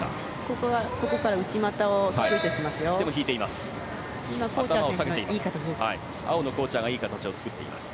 ここからの内股を得意としていますよ。